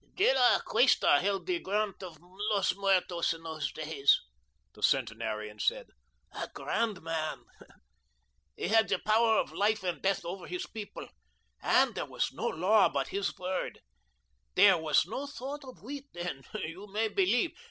"De La Cuesta held the grant of Los Muertos in those days," the centenarian said; "a grand man. He had the power of life and death over his people, and there was no law but his word. There was no thought of wheat then, you may believe.